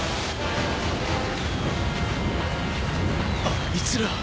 あいつら。